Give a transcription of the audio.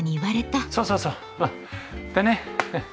そうそうそうでね。